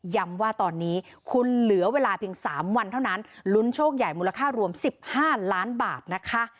ว่าตอนนี้คุณเหลือเวลาเพียง๓วันเท่านั้นลุ้นโชคใหญ่มูลค่ารวม๑๕ล้านบาทนะคะ